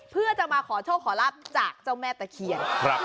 เพื่อจะมาขอโชคขอลาบจากเจ้าแม่ตะเคียน